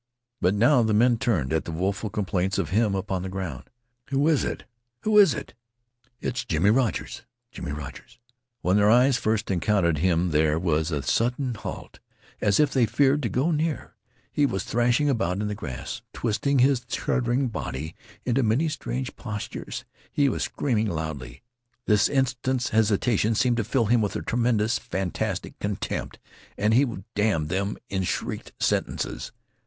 But now the men turned at the woeful complaints of him upon the ground. "Who is it? Who is it?" "It's Jimmie Rogers. Jimmie Rogers." When their eyes first encountered him there was a sudden halt, as if they feared to go near. He was thrashing about in the grass, twisting his shuddering body into many strange postures. He was screaming loudly. This instant's hesitation seemed to fill him with a tremendous, fantastic contempt, and he damned them in shrieked sentences.